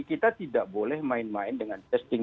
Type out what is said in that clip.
kita tidak boleh main main dengan testing